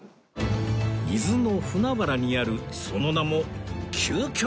伊豆の船原にあるその名も究極のそば